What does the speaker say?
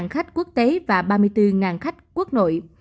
khách quốc tế và ba mươi bốn khách quốc nội